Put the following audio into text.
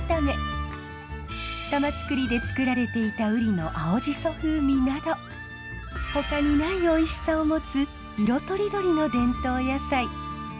玉造でつくられていた瓜の青じそ風味などほかにないおいしさを持つ色とりどりの伝統野菜。